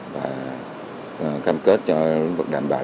và cam kết cho lĩnh vực đảm bảo